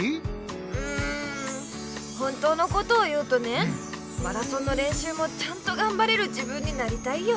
うん本当のことを言うとねマラソンのれんしゅうもちゃんとがんばれる自分になりたいよ。